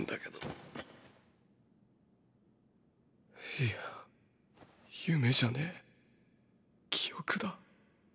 いや夢じゃねぇ記憶だ。